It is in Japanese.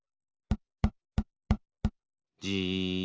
じ。